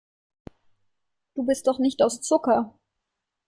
Du bist doch nicht aus Zucker.